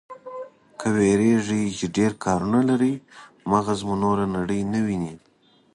که وېرېږئ چې ډېر کارونه لرئ، مغز مو نوره نړۍ نه ويني.